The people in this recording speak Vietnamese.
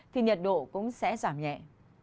thì nhiệt độ cũng sẽ giảm nhẹ